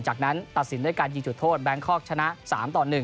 จากนั้นตัดสินด้วยการยิงจุดโทษแบงคอกชนะ๓ต่อ๑